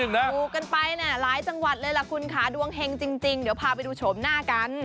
ถูกกันไปหลายจังหวัดเลยล่ะคุณค่ะดวงเฮงจริงเดี๋ยวพาไปดูโฉมหน้ากัน